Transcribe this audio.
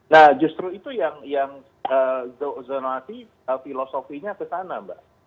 nah justru itu yang zonati filosofinya kesana mbak